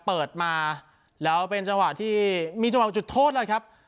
เปิดมาแล้วเป็นจังหวะที่มีจังหวะจุดโทษนะครับ